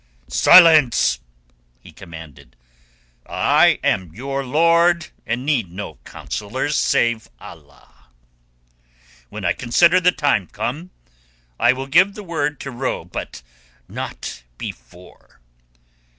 "Silence!" he commanded. "I am your lord and need no counsellors save Allah. When I consider the time come, I will give the word to row, but not before.